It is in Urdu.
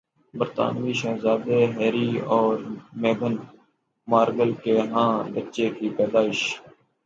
برطانوی شہزادے ہیری اور میگھن مارکل کے ہاں بچے کی پیدائش